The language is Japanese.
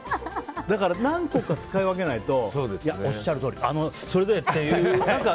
だから何個か使い分けないとおっしゃるとおり、それでっていう。